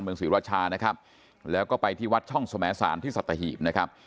ศรีราชานะครับแล้วก็ไปที่วัดช่องสมสารที่สัตหีบนะครับ